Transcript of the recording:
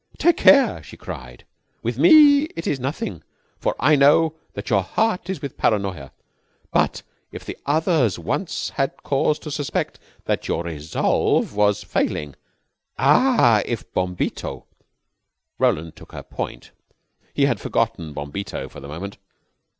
"Take care," she cried. "With me it is nothing, for I know that your heart is with Paranoya. But, if the others once had cause to suspect that your resolve was failing ah! If Bombito " Roland took her point. He had forgotten Bombito for the moment.